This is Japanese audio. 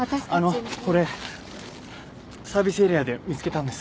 これサービスエリアで見つけたんです。